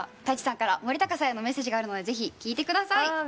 舘さんから森高さんへのメッセージがあるのでぜひ聞いてください。